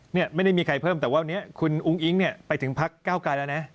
นี่ไม่ได้มีใครเพิ่มแต่ว่าคุณอุ้งอิงไปถึงพัก๙กรายแล้ว